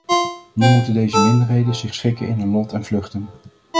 Nu moeten deze minderheden zich schikken in hun lot en vluchten.